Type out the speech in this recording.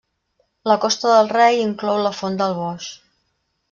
La Costa del Rei inclou la Font del Boix.